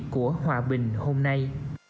của hòa bình hôm nay